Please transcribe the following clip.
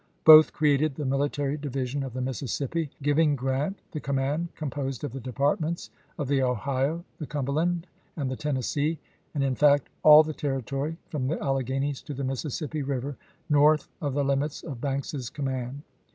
Both created the mihtary division of the Mississippi, giving Grant the command, composed of the Departments of the Ohio, the Cumberland, and the Tennessee, and in fact all the territory from the Alleghanies to the Mississippi River north of the limits of Banks's command.